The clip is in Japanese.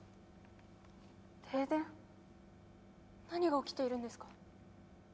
停電？何が起きているんですか？